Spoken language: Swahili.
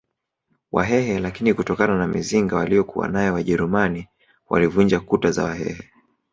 Wahehe lakini kutokana na mizinga waliyokuwanayo wajerumani walivunja kuta za wahehe